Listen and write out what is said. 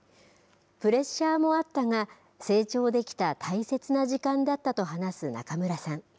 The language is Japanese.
プレッシャーもあったが、成長できた大切な時間だったと話す仲邑さん。